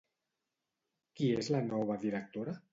Qui és la nova directora?